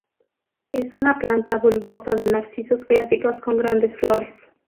Es una planta bulbosa de narcisos clásicos con grandes flores.